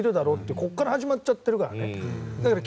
ここから始まっちゃってるからね。